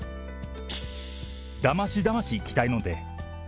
だましだましいきたいので。